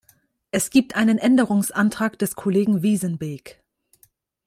Es gibt einen Änderungsantrag des Kollegen Wijsenbeek.